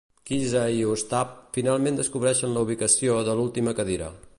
Kisa i Ostap finalment descobreixen la ubicació de l"última cadira.